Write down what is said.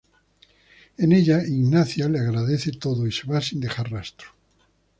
En ella Ignacia le agradece todo, y se va sin dejar rastro.